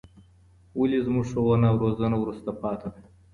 ولې زموږ ښوونه او روزنه وروسته پاتې ده؟